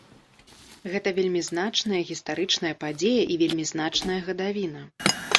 Гэта вельмі значная гістарычная падзея і вельмі значная гадавіна.